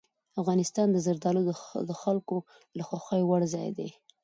افغانستان کې زردالو د خلکو د خوښې وړ ځای دی.